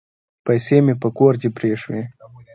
پیسې مي په کور کې پرېښولې .